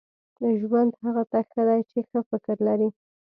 • ژوند هغه ته ښه دی چې ښه فکر لري.